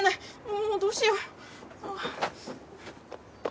もうどうしよう。